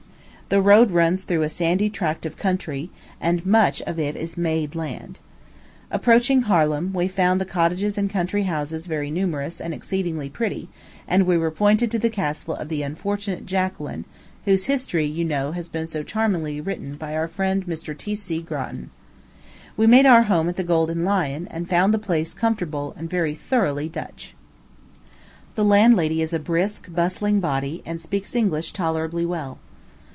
The road runs through a sandy tract of country, and much of it is made land. Approaching Harlem, we found the cottages and country houses very numerous and exceedingly pretty; and we were pointed to the castle of the unfortunate Jacqueline, whose history, you know, has been so charmingly written by our friend Mr. T.C. Grattan. We made our home at the Golden Lion, and found the place comfortable and very thoroughly Dutch. The landlady is a brisk, bustling body, and speaks English tolerably well.